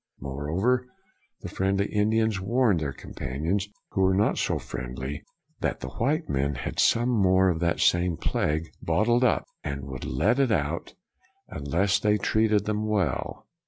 Moreover the friendly Indians warned their companions who were not so friendly that the white men had some more of that same plague bottled up, and would let it out unless they treated them well.